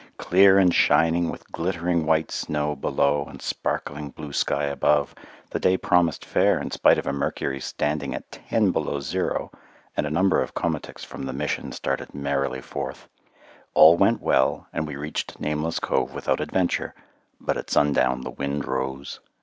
Clear and shining, with glittering white snow below and sparkling blue sky above, the day promised fair in spite of a mercury standing at ten below zero, and a number of komatiks from the Mission started merrily forth. All went well, and we reached Nameless Cove without adventure, but at sundown the wind rose.